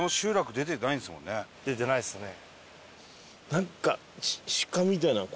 出てないですね。